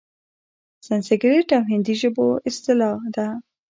سنسکریت او هندي ژبو اصطلاح ده؛